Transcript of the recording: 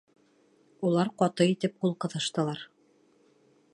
Улар ҡаты итеп ҡул ҡыҫыштылар.